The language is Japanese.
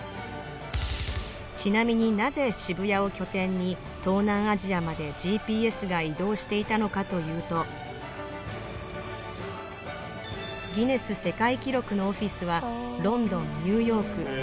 ちなみになぜ渋谷を拠点に東南アジアまでＧＰＳが移動していたのかというとギネス世界記録のオフィスはロンドンニューヨークドバイ